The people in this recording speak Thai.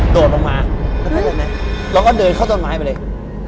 โดดลงมาแล้วท่านแหละไงเราก็เดินเข้าต้นไม้ไปเลย